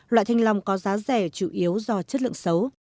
loại thanh long có giá rẻ chủ yếu do chất lượng xấu